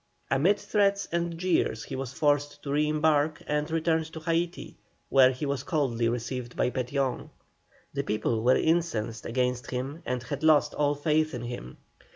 Amid threats and jeers he was forced to re embark and returned to Haití, where he was coldly received by Petión. The people were incensed against him and had lost all faith in him.